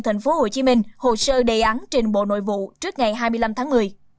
tp hcm hồ sơ đề án trình bộ nội vụ trước ngày hai mươi năm tháng một mươi